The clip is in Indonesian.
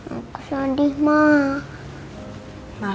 nanti aku bisa video call temen temennya kalo rena kangen